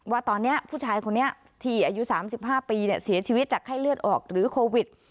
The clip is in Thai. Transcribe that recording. ว่าตอนนี้ผู้ชายคนนี้ที่อายุ๓๕ปีเสียชีวิตจากไข้เลือดออกหรือโควิด